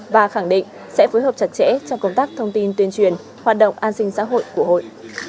và khẳng định sẽ phối hợp chặt chẽ trong công tác thông tin tuyên truyền hoạt động an sinh xã hội của hội